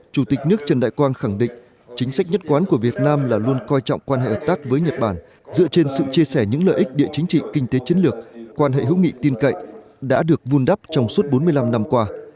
chủ tịch nước trần đại quang khẳng định chính sách nhất quán của việt nam là luôn coi trọng quan hệ hợp tác với nhật bản dựa trên sự chia sẻ những lợi ích địa chính trị kinh tế chiến lược quan hệ hữu nghị tin cậy đã được vun đắp trong suốt bốn mươi năm năm qua